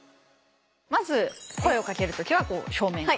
まず声をかけるときは正面から。